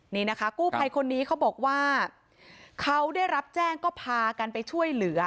นี่นะคะกู้ภัยคนนี้เขาบอกว่าเขาได้รับแจ้งก็พากันไปช่วยเหลือ